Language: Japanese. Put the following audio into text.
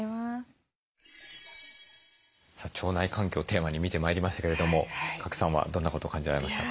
さあ腸内環境をテーマに見てまいりましたけれども賀来さんはどんなことを感じられましたか？